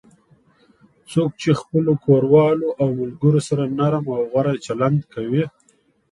څوک چې خپلو کوروالو او ملگرو سره نرم او غوره چلند کوي